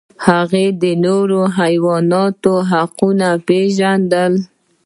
هغه د نورو حیواناتو حقونه پیژندل.